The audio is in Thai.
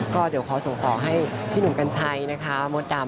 ก็เดี๋ยวขอส่งต่อให้พี่หนุ่มกัญชัยนะคะมดดำ